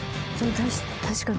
確かに。